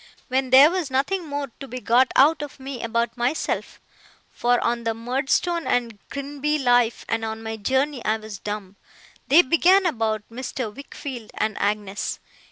When there was nothing more to be got out of me about myself (for on the Murdstone and Grinby life, and on my journey, I was dumb), they began about Mr. Wickfield and Agnes.